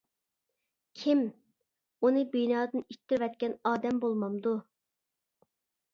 -كىم؟ -ئۇنى بىنادىن ئىتتىرىۋەتكەن ئادەم بولمامدۇ!